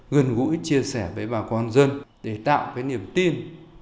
gần gũi chia sẻ với bà con dân để tạo cái niềm tin